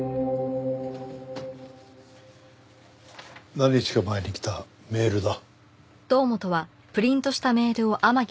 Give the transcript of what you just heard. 何日か前に来たメールだ。